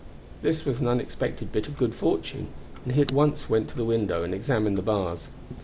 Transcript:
This was an unexpected bit of good fortune, and he at once went to the window and examined the bars.